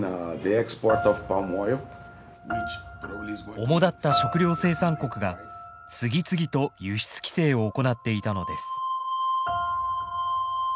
おもだった食料生産国が次々と輸出規制を行っていたのです。